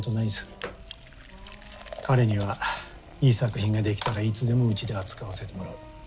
彼にはいい作品が出来たらいつでもうちで扱わせてもらう。